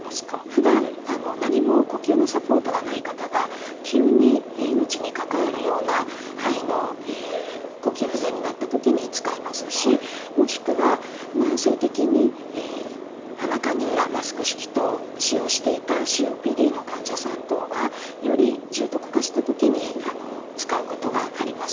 ふだん何も呼吸のサポートがない方が急に命に関わるような肺の呼吸不全になった時に使いますしもしくは慢性的に鼻カニューラ・マスク式等使用していたＣＯＰＤの患者さん等がより重篤化した時に使うことがあります。